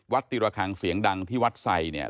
ติระคังเสียงดังที่วัดไสเนี่ย